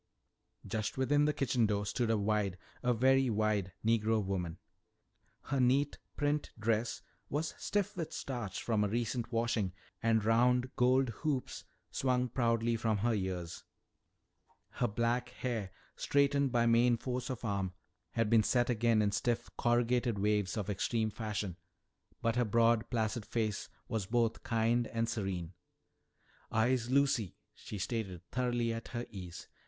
Just within the kitchen door stood a wide, a very wide, Negro woman. Her neat print dress was stiff with starch from a recent washing, and round gold hoops swung proudly from her ears. Her black hair, straightened by main force of arm, had been set again in stiff, corrugated waves of extreme fashion, but her broad placid face was both kind and serene. "I'se Lucy," she stated, thoroughly at her ease.